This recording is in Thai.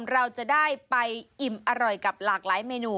เราจะได้ไปอิ่มอร่อยกับหลากหลายเมนู